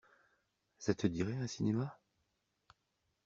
ça te dirait un cinéma?